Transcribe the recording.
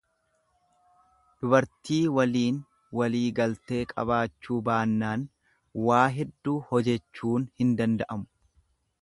Dubartii waliin waliigaltee qabaachuu baannaan waa hedduu hojechuun hin danda'amu.